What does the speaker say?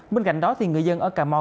bên cạnh đó thì người dân ở cà mau